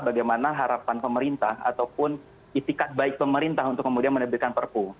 bagaimana harapan pemerintah ataupun itikat baik pemerintah untuk kemudian menerbitkan perpu